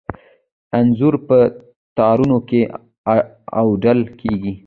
انځر په تارونو کې اوډل کیږي.